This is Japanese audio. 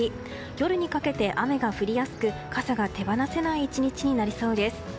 夜にかけて雨が降りやすく傘が手放せない１日になりそうです。